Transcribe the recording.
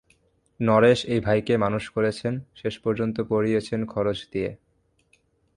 নরেশ এই ভাইকে মানুষ করেছেন, শেষ পর্যন্ত পড়িয়েছেন খরচ দিয়ে।